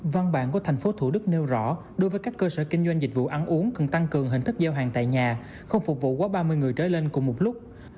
văn bản của tp thủ đức nêu rõ đối với các cơ sở kinh doanh dịch vụ ăn uống cần tăng cường hình thức giao hàng tại nhà không phục vụ quá ba mươi người trở lên cùng một lúc